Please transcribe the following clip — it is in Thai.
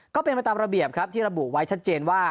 ก็เป็นไปตามระเบียบครับที่ระบุไว้ชัดเจนว่า